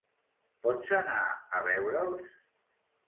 Pots anar a veure'ls?